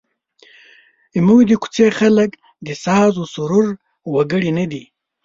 زموږ د کوڅې خلک د سازوسرور وګړي نه دي.